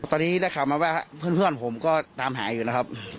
ตอนนี้ได้ข่าวมาว่าเพื่อนผมก็ตามหาอยู่นะครับ